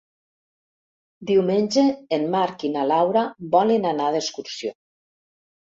Diumenge en Marc i na Laura volen anar d'excursió.